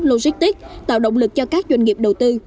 logistics tạo động lực cho các doanh nghiệp đầu tư